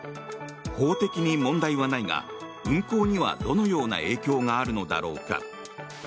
法的に問題はないが運航にはどのような影響があるのだろうか。